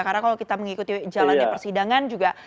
karena kalau kita mengikuti jalannya persidangan juga